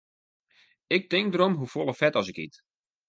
Ik tink derom hoefolle fet as ik yt.